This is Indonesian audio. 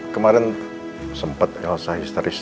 kemarin sempat elsa histeris